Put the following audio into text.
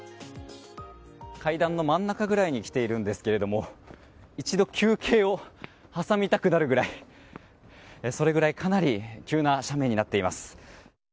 階段の真ん中ぐらいに来ているんですけれども一度休憩を挟みたくなるぐらいそれぐらいかなり急な斜面になっています。